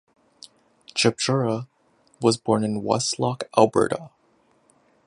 Chipchura was born in Westlock, Alberta.